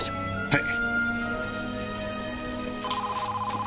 はい。